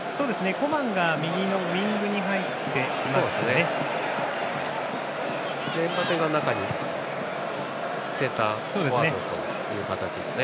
コマンが右のウイングに入っていますね。